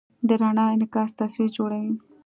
د رڼا انعکاس تصویر جوړوي.